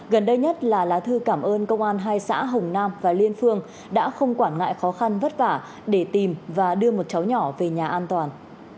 gần đây nhất là lá thư cảm ơn công an hai xã hồng nam và liên phương đã không quản ngại khó khăn vất vả để tìm và đưa một cháu nhỏ về nhà an toàn